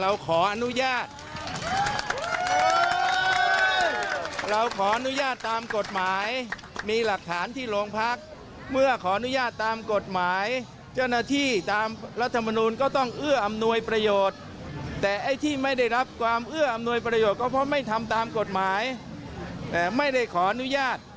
เราขออนุญาตเราขออนุญาตตามกฎหมายมีหลักฐานที่โรงพักเมื่อขออนุญาตตามกฎหมายเจ้าหน้าที่ตามรัฐมนูลก็ต้องเอื้ออำนวยประโยชน์แต่ไอ้ที่ไม่ได้รับความเอื้ออำนวยประโยชน์ก็เพราะไม่ทำตามกฎหมายแต่ไม่ได้ขออนุญาต